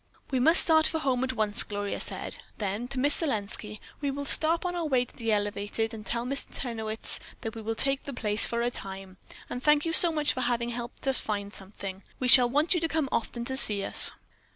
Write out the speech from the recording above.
"We must start for home at once," Gloria said. Then, to Miss Selenski, "We will stop on our way to the elevated and tell Mr. Tenowitz that we will take the place for a time; and thank you so much for having helped us find something. We shall want you to come often to see us."